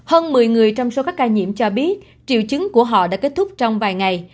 hơn một mươi người trong số các ca nhiễm cho biết triệu chứng của họ đã kết thúc trong vài ngày